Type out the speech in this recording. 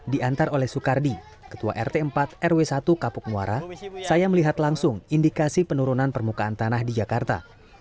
diantar oleh soekardi ketua rt empat rw satu kapuk muara saya melihat langsung indikasi penurunan permukaan tanah di jakarta